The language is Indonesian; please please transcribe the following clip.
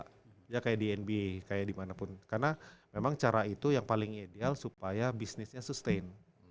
kita kayak di nb kayak dimanapun karena memang cara itu yang paling ideal supaya bisnisnya sustain